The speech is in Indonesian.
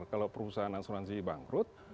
kalau perusahaan asuransi bangkrut